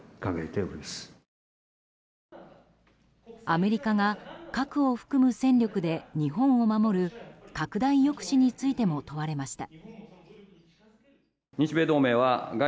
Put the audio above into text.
アメリカが核を含む戦力で日本を守る拡大抑止についても問われました。